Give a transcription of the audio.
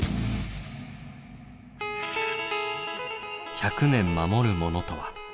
１００年守るものとは？